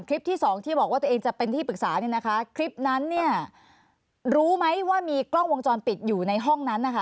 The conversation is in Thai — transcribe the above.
ที่สองที่บอกว่าตัวเองจะเป็นที่ปรึกษาเนี่ยนะคะคลิปนั้นเนี่ยรู้ไหมว่ามีกล้องวงจรปิดอยู่ในห้องนั้นนะคะ